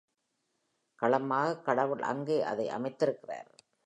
களமாக கடவுள் அங்கே அதை அமைத்திருக்கிறார்.